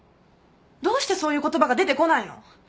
どうしてそういう言葉が出てこないの？